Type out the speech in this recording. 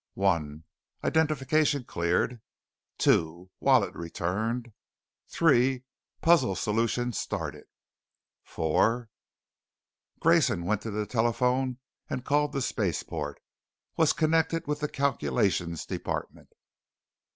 One, identification cleared Two, wallet returned Three, puzzle solution started Four Grayson went to the telephone and called the spaceport, was connected with the calculations department.